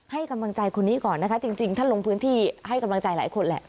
ให้กำลังใจคนนี้ก่อนนะคะจริงท่านลงพื้นที่ให้กำลังใจหลายคนแหละ